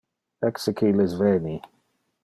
Ecce que illes veni.